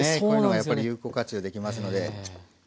こういうのはやっぱり有効活用できますので。